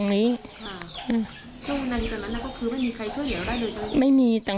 กังฟูเปล่าใหญ่มา